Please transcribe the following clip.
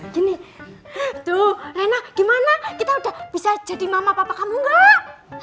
gini tuh reina gimana kita udah bisa jadi mama papa kamu gak